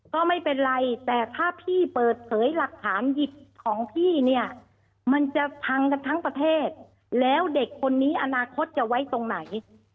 ก็ไม่เป็นไรแต่ถ้าพี่เปิดเผยหลักฐานหยิบของพี่เนี่ยมันจะพังกันทั้งประเทศแล้วเด็กคนนี้อนาคตจะไว้ตรงไหน